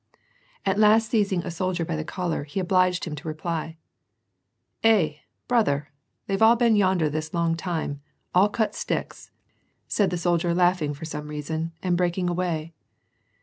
At last seizing a soldier by the collar, he obliged him to reply. " Eh ! brother ! They've all been yonder this long time — all cut sticks !'^ said thef^oldier laughing for some reason, and breaking away.